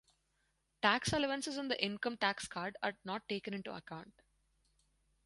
Tax allowances on the income tax card are not taken into account.